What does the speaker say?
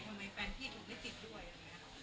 ทำไมแฟนพี่ถูกไม่ติดด้วย